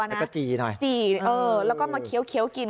แล้วก็จี่หน่อยจี่แล้วก็มาเคี้ยวกิน